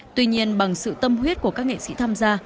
tuy nhiên bằng sự tâm huyết của các nghệ sĩ tham gia